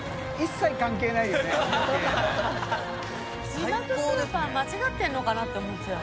字幕スーパー間違ってるのかなて思っちゃう。